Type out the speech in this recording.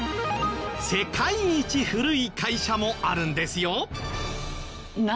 世界一古い会社もあるんですよ。